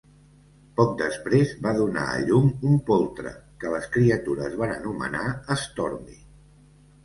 Poc després, va donar a llum un poltre, que les criatures van anomenar Stormy.